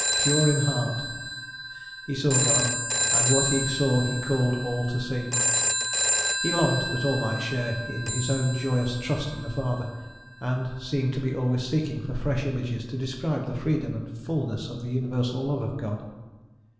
"Pure in heart," he saw God, and what he saw he called all to see: he longed that all might share in his own joyous trust in the Father, and seemed to be always seeking for fresh images to describe the freedom and fulness of the universal love of God.